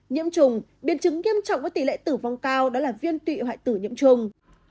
nhiễm trùng biến chứng nghiêm trọng với tỷ lệ tử vong cao đó là viên tụy hoại tử nhiễm trùng